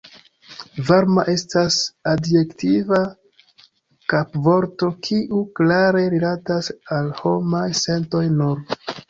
Varma estas adjektiva kapvorto kiu klare rilatas al homaj sentoj nur.